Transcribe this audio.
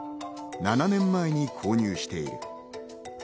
７年前に購入している。